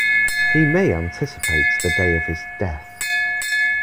He may anticipate the day of his death.